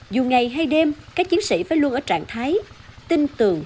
dù ngày hay đêm các chiến sĩ phải luôn ở trạng thái tinh tường